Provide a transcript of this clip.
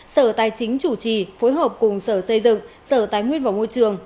sở tài chính chủ trì phối hợp cùng sở xây dựng sở tái nguyên vào môi trường